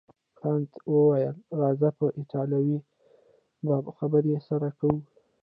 کانت وویل راځه په ایټالوي به خبرې سره کوو.